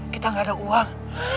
kita gak ada uang